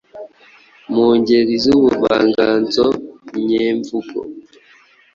Mu ngeri z’ubuvanganzo nyemvugo